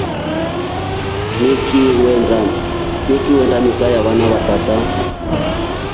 Nikiiwenda misa ya vana vata.